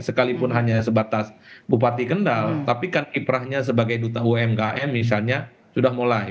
sekalipun hanya sebatas bupati kendal tapi kan kiprahnya sebagai duta umkm misalnya sudah mulai